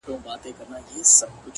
زه وايم راسه حوصله وكړو ـ